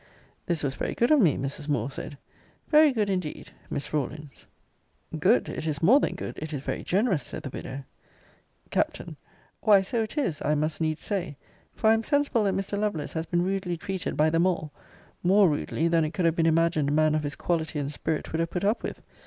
This was very good of me; Mrs. Moore said. Very good indeed; Miss Rawlins. Good; It is more than good; it is very generous; said the widow. Capt. Why so it is, I must needs say: for I am sensible that Mr. Lovelace has been rudely treated by them all more rudely, than it could have been imagined a man of his quality and spirit would have put up with.